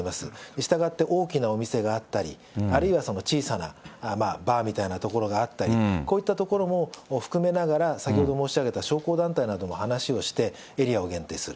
したがって、大きなお店があったり、あるいは小さなバーみたいな所があったり、こういった所も含めながら、先ほど申し上げた商工団体などとも話をしてエリアを限定する。